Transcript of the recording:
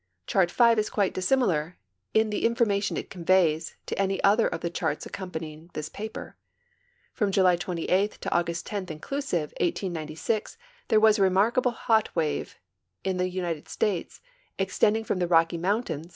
Chart V is quite dissimilar, in the information it conveys, to any other of the charts accompanying this paper. From July 28 to August 10, inclusive, 1896, there was a remarkable hot wave in the United States, extending from the Rock}"" mountains to tlie NAT.